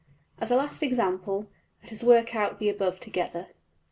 As a last example, let us work out the above together.